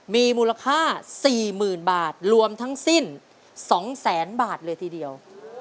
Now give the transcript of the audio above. มีมูลค่า๔๐๐๐บาทรวมทั้งสิ้น๒แสนบาทเลยทีเดียว